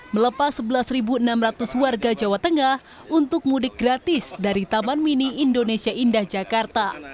melepas sebelas enam ratus warga jawa tengah untuk mudik gratis dari taman mini indonesia indah jakarta